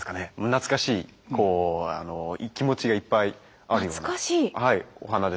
懐かしいこう気持ちがいっぱいあるような。